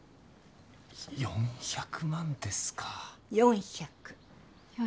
４００万ですか？